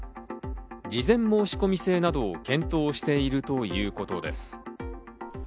事前申し込み制などを検討しているということです。